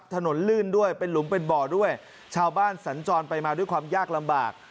ลื่นด้วยเป็นหลุมเป็นบ่อด้วยชาวบ้านสัญจรไปมาด้วยความยากลำบาก